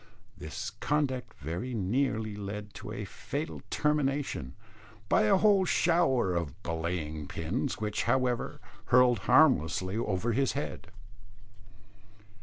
This conduct very nearly led to a fatal termination, by a whole shower of belaying pins, which, however, hurtled harmlessly over his head.